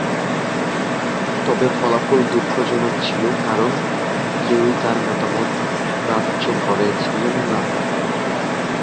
তবে ফলাফল দুঃখজনক ছিল কারন কেউই তাঁর মতামত গ্রাহ্য করছিলেন না।